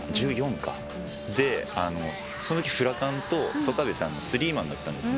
でそのときフラカンと曽我部さんのスリーマンだったんですね。